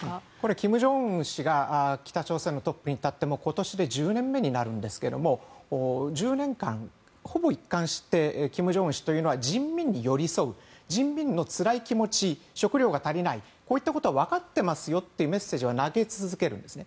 金正恩氏が北朝鮮のトップになって今年で１０年目になるんですが１０年間、ほぼ一貫して金正恩氏というのは人民に寄り添う人民のつらい気持ち食糧が足りないことは分かっていますよというメッセージは投げ続けるんですね。